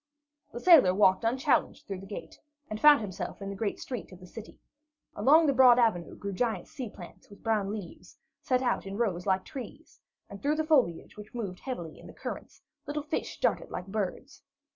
The sailor walked unchallenged through the gate, and found himself in the great street of the city. Along the broad avenue grew giant sea plants with brown leaves, set out in rows like trees; and through the foliage which moved heavily in the currents, little fish darted like birds.